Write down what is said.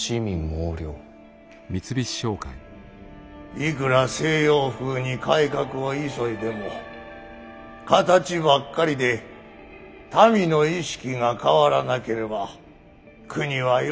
いくら西洋風に改革を急いでも形ばっかりで民の意識が変わらなければ国は弱くなるばかり。